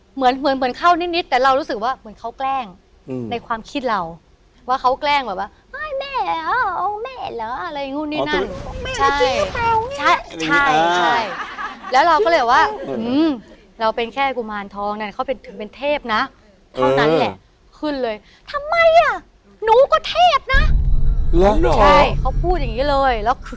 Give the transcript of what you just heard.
ผู้จัดการคุณที่มาที่บันนี้นะพี่เองคือ